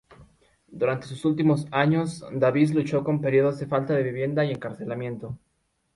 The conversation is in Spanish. Durante sus últimos años, Davis luchó con períodos de falta de vivienda y encarcelamiento.